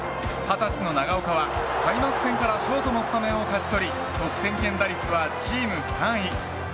２０歳の長岡は開幕戦からショートのスタメンを勝ち取り得点圏打率はチーム３位。